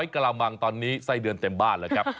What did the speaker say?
๑๐๐กรมตอนนี้ไส้เดือนเต็มบ้านเหรอครับ